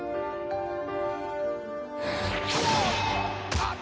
あっ！